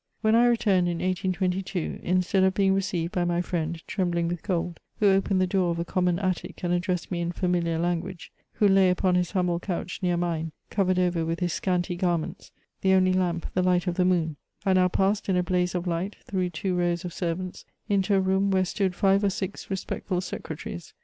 When I returned in 18*22, instead of being received by my friend, trembling with cold — who opened the door of a common attic and addressed me in*familiar language — who lay upon his humble couch near mine, covered over with his scanty garments — the only lamp, the light of the moon, I now passed in a blaze of light, through two rows of servants, into a room where stood five or six respectful secretaries.